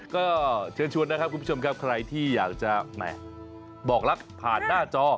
ก็เชิญชวนนะครับคุณผู้ชมครับใครที่อยากจะแห่บอกรักผ่านหน้าจอ